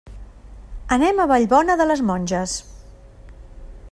Anem a Vallbona de les Monges.